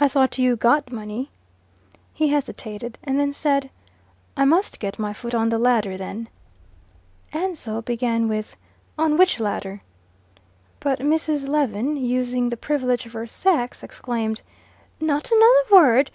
"I thought you'd got money." He hesitated, and then said, "I must get my foot on the ladder, then." Ansell began with, "On which ladder?" but Mrs. Lewin, using the privilege of her sex, exclaimed, "Not another word.